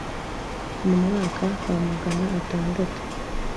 Mu mwaka wa magana atandatu